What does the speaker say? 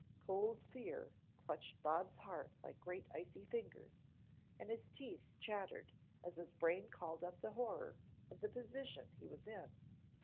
Cold fear clutched Bob's heart like great icy fingers, and his teeth chattered, as his brain called up the horror of the position he was in.